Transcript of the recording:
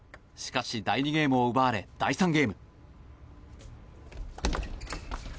しかし、第２ゲームを奪われ第３ゲーム。